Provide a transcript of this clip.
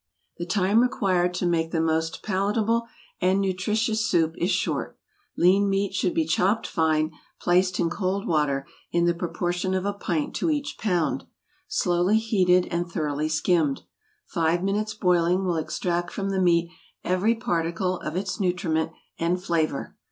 The time required to make the most palatable and nutritious soup is short. Lean meat should be chopped fine, placed in cold water, in the proportion of a pint to each pound, slowly heated, and thoroughly skimmed. Five minutes' boiling will extract from the meat every particle of its nutriment and flavor.